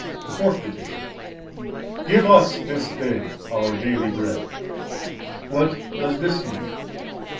The Fourth Petition. Give us this day our daily bread. What does this mean?